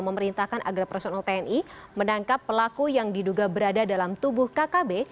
memerintahkan agar personal tni menangkap pelaku yang diduga berada dalam tubuh kkb